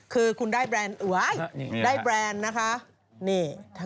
คือคุณได้แบรนด์เอ้ยได้แบรนด์นะคะ